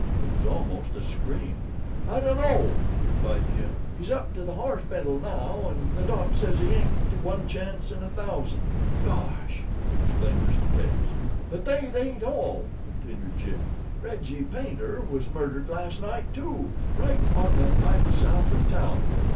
It was almost a scream. "I dunno," replied Jim. "He's up to the horspital now, an' the doc says he haint one chance in a thousand." "Gosh!" exclaimed Mr. Case. "But thet ain't all," continued Jim. "Reggie Paynter was murdered last night, too; right on the pike south of town.